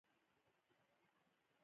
د بادغیس په قلعه نو کې څه شی شته؟